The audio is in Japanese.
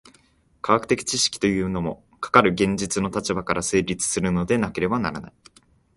科学的知識というのも、かかる現実の立場から成立するのでなければならない。